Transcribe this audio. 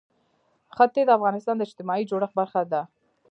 ښتې د افغانستان د اجتماعي جوړښت برخه ده.